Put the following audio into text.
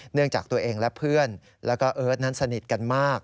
เนื่องจากตัวเองและเพื่อนแล้วก็เอิร์ทนั้นสนิทกันมาก